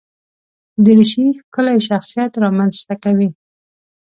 دریشي ښکلی شخصیت رامنځته کوي.